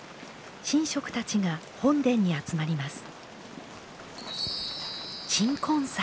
神職たちが本殿に集まります。